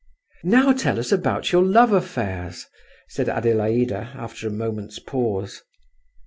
"Now tell us about your love affairs," said Adelaida, after a moment's pause.